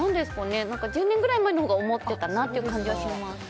１０年ぐらい前のほうが思ってたなと感じます。